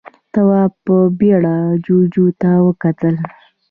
تواب په بيړه جُوجُو ته وکتل.